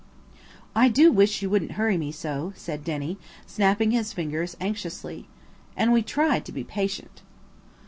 "I do wish you wouldn't hurry me so," said Denny, snapping his fingers anxiously. And we tried to be patient.